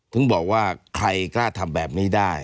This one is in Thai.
ถึงบอกว่าใครกล้าทำแบบนี้ได้